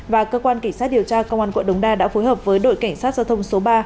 và cơ quan kỳ sát điều tra công an quận đống đa đã phối hợp với đội cảnh sát giao thông số ba